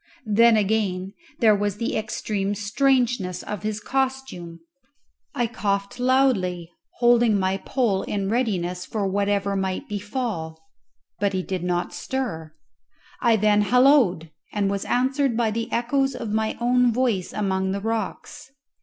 Then, again, there was the extreme strangeness of his costume. I coughed loudly, holding my pole in readiness for whatever might befall, but he did not stir; I then holloaed, and was answered by the echoes of my own voice among the rocks.